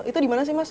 itu dimana sih mas